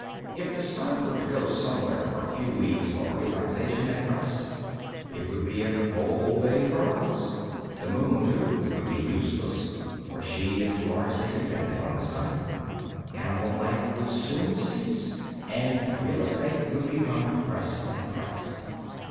If the sun were to go somewhere for a few weeks for relaxation and rest, it would be a cold day for us. The moon, too, would be useless, for she is largely dependent on the sun. Animal life would soon cease and real estate would become depressed in price.